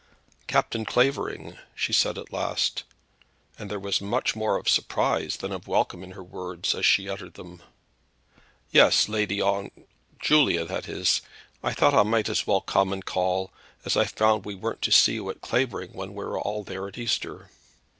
"Captain Clavering!" she said at last, and there was much more of surprise than of welcome in her words as she uttered them. "Yes, Lady On , Julia, that is; I thought I might as well come and call, as I found we weren't to see you at Clavering when we were all there at Easter."